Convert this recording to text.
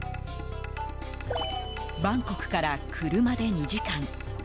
バンコクから車で２時間。